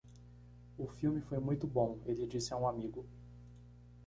O filme foi muito bom, ele disse a um amigo.